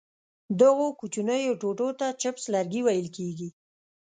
دغو کوچنیو ټوټو ته چپس لرګي ویل کېږي.